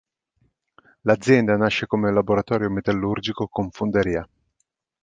L'azienda nasce come laboratorio metallurgico con fonderia.